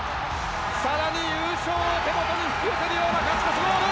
更に優勝を手元に引き寄せるような勝ち越しゴール！